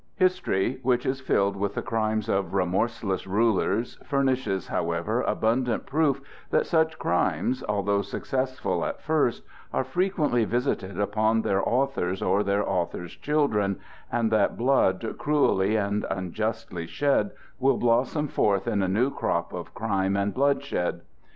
History, which is filled with the crimes of remorseless rulers, furnishes, however, abundant proof that such crimes, although successful at first, are frequently visited upon their authors or their authors' children, and that blood cruelly and unjustly shed will blossom forth in a new crop of crime and bloodshed.